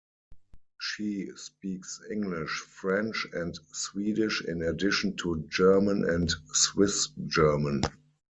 She speaks English, French and Swedish in addition to German and Swiss German.